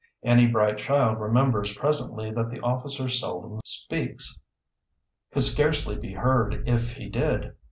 Any bright child remembers presently that the officer seldom speaks, could scarcely be heard if he did.